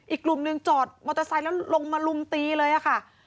อีกกลุ่มหนึ่งจอดมอเตอร์ไซค์แล้วลงมาลุมตีเลยค่ะ